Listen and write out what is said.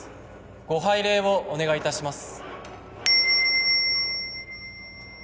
ご拝礼をお願いいたします